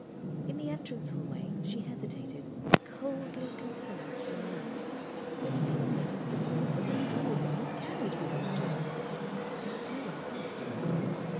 In the entrance hallway she hesitated, coldly composed and alert. But seemingly the noise of their struggle had not carried beyond the door. There was no one about.